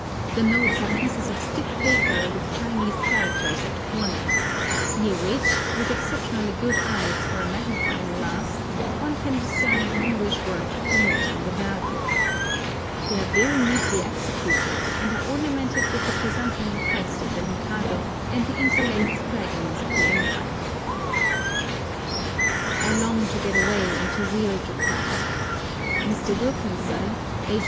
The notes are pieces of stiff paper with Chinese characters at the corners, near which, with exceptionally good eyes or a magnifying glass, one can discern an English word denoting the value. They are very neatly executed, and are ornamented with the chrysanthemum crest of the Mikado and the interlaced dragons of the Empire. I long to get away into real Japan. Mr. Wilkinson, H.